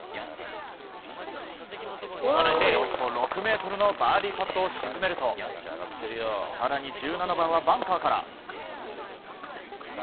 およそ６ｍのバーディーパットを沈めると更に１７番はバンカーから。